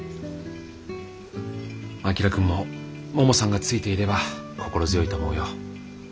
旭君もももさんがついていれば心強いと思うよ。